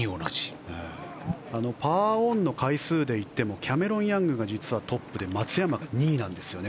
パーオンの回数で言ってもキャメロン・ヤングが実はトップで松山が２位なんですよね